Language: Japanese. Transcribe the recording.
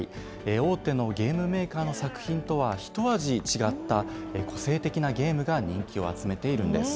大手のゲームメーカーの作品とはひと味違った個性的なゲームが人気を集めているんです。